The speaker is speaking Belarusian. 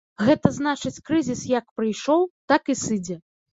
Гэта значыць, крызіс як прыйшоў, так і сыдзе.